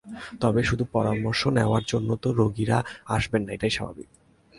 তবে শুধু পরামর্শ নেওয়ার জন্য তো রোগীরা আসবেন না, এটাই স্বাভাবিক।